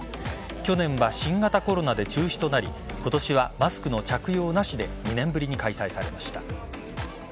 去年は新型コロナで中止となり今年はマスクの着用なしで２年ぶりに開催されました。